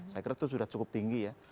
saya kira itu sudah cukup tinggi ya